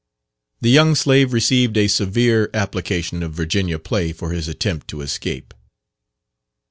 The young slave received a severe application of "Virginia play" for his attempt to escape.